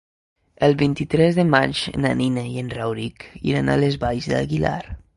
El vint-i-tres de maig na Nina i en Rauric iran a les Valls d'Aguilar.